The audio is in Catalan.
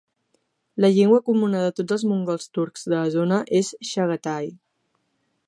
La llengua comuna de tots els mongols turcs de la zona és Chaghatay.